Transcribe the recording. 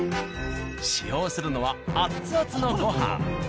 使用するのはアッツアツのご飯。